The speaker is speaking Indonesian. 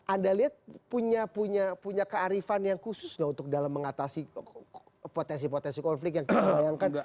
anda lihat punya kearifan yang khusus nggak untuk dalam mengatasi potensi potensi konflik yang kita bayangkan